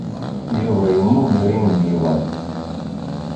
Yuba yemmuger inebgiwen.